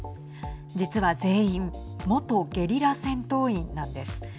実は、全員元ゲリラ戦闘員なんです。